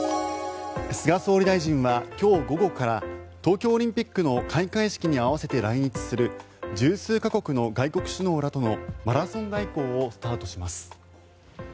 菅総理大臣は、今日午後から東京オリンピックの開会式に合わせて来日する１０数か国の外国首脳らとのマラソン外交をスタートします。